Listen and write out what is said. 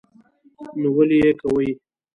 نه ولي یې کوې?